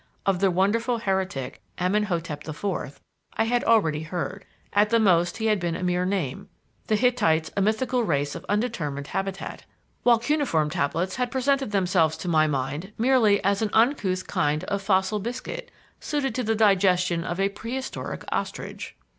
Of the wonderful heretic, Amenhotep the Fourth, I had already heard at the most he had been a mere name; the Hittites a mythical race of undetermined habitat; while cuneiform tablets had presented themselves to my mind merely as an uncouth kind of fossil biscuit suited to the digestion of a prehistoric ostrich.